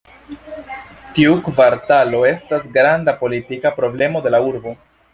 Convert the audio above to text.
Tiu kvartalo estas granda politika problemo de la urbo.